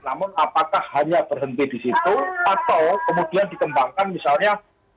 namun apakah hanya berhenti di situ atau kemudian dikembangkan misalnya